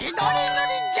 ぬりじゃ！